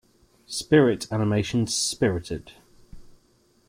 Spirit animation Spirited.